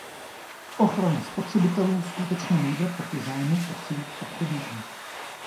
Ochrana spotřebitelů skutečně nejde proti zájmu poctivých obchodníků.